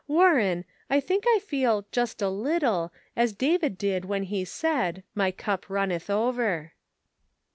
Warren, I think I feel just a little as David did when he said, ' My cup runneth over.'